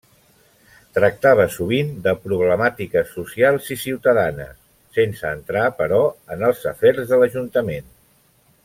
Tractava sovint de problemàtiques socials i ciutadanes, sense entrar, però, en els afers de l'Ajuntament.